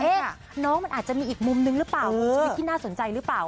น้องมันอาจจะมีอีกมุมนึงหรือเปล่าของชีวิตที่น่าสนใจหรือเปล่า